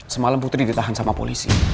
semalam putri ditahan sama polisi